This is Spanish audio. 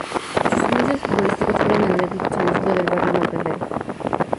Sus inicios futbolísticos fueron en el club San Isidro del barrio Matadero.